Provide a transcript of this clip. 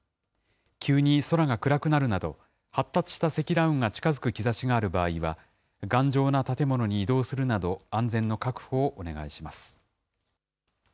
急に空が暗くなるなど、発達した積乱雲が近づく兆しがある場合は、頑丈な建物に移動するなど、安全の確保をお願いします。